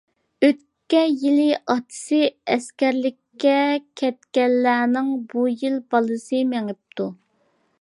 ئۆتكەن يىلى ئاتىسى ئەسكەرلىككە كەتكەنلەرنىڭ بۇ يىل بالىسى مېڭىپتۇ.